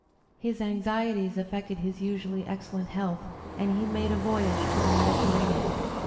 His anxieties affected his usually excellent health, and he made a voyage to the Mediterranean.